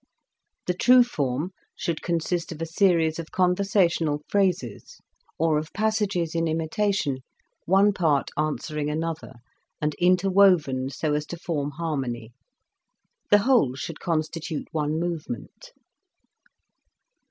The true form should consist of a series of conversational phrases, or of passages in imitation, one part answering another, and interwoven so as to form harmony. The whole should constitute one movement.